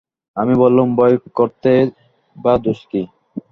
আমি বললুম, ভয় করতেই বা দোষ কী?